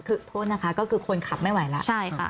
คือโทษนะคะก็คือคนขับไม่ไหวแล้วใช่ค่ะ